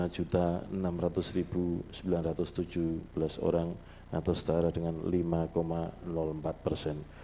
yang berisiko dua ratus sembilan puluh tujuh tiga ratus enam puluh empat orang yang tidak berisiko lima empat persen